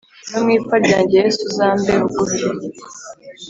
No mu ipfa ryanjye yesu uzambe bugufi